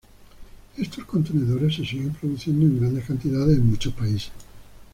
Estos contenedores se siguen produciendo en grandes cantidades en muchos países.